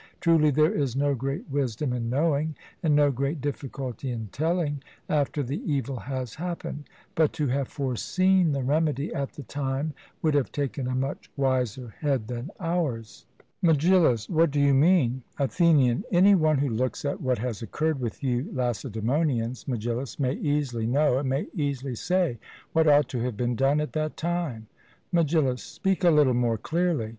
Truly there is no great wisdom in knowing, and no great difficulty in telling, after the evil has happened; but to have foreseen the remedy at the time would have taken a much wiser head than ours. MEGILLUS: What do you mean? ATHENIAN: Any one who looks at what has occurred with you Lacedaemonians, Megillus, may easily know and may easily say what ought to have been done at that time. MEGILLUS: Speak a little more clearly.